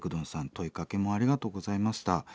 問いかけもありがとうございました。